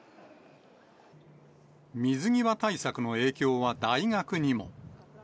水際対策の影響は大学にも。